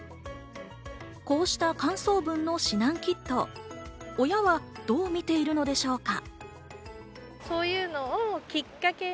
こうした感想文の指南キット、親はどう見ているのでしょうか？